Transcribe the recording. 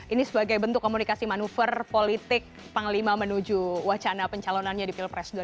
ini sebagai bentuk komunikasi manuver politik panglima menuju wacana pencalonannya di pilpres dua ribu sembilan